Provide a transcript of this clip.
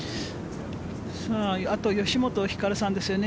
あと、吉本ひかるさんですよね。